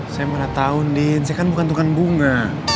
saya mana tau ndin saya kan bukan tukang bunga